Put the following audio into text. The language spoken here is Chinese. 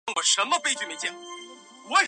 缺瓣重楼是黑药花科重楼属的变种。